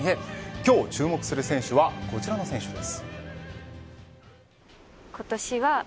今日、注目する選手はこちらの選手です。